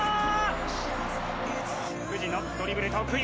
藤野、ドリブル得意。